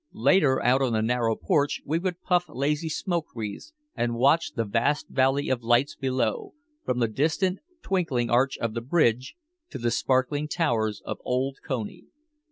Later out on the narrow porch we would puff lazy smoke wreaths and watch the vast valley of lights below, from the distant twinkling arch of the Bridge to the sparkling towers of old Coney.